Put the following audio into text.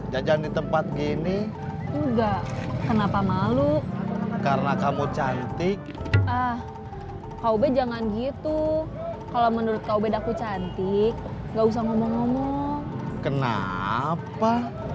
jajan di tempat gini enggak kenapa malu karena kamu cantik ah kau beda jangan gitu kalau menurut kau bedaku cantik gak usah ngomong ngomong kenapa